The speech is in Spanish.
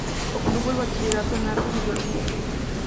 Obtuvo el bachillerato en artes y biología.